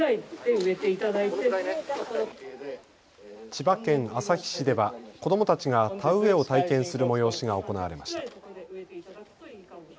千葉県旭市では子どもたちが田植えを体験する催しが行われました。